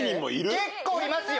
⁉結構いますよ！